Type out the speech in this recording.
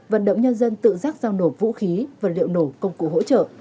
vận động nhân dân tự rác giao nổ vũ khí vật liệu nổ công cụ hỗ trợ